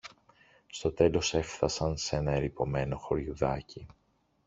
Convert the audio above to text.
Στο τέλος έφθασαν σ' ένα ερειπωμένο χωριουδάκι